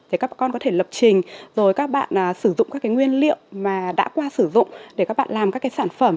để các con có thể lập trình rồi các bạn sử dụng các nguyên liệu mà đã qua sử dụng để các bạn làm các cái sản phẩm